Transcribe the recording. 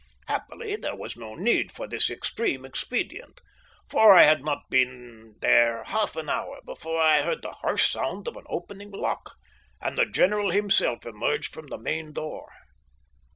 Happily there was no need of this extreme expedient, for I had not been there half an hour before I heard the harsh sound of an opening lock, and the general himself emerged from the main door.